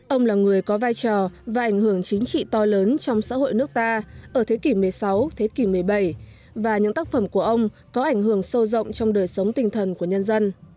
ông là người có vai trò và ảnh hưởng chính trị to lớn trong xã hội nước ta ở thế kỷ một mươi sáu thế kỷ một mươi bảy và những tác phẩm của ông có ảnh hưởng sâu rộng trong đời sống tinh thần của nhân dân